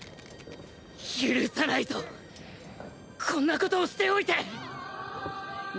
許さないぞこんなことをしておいて。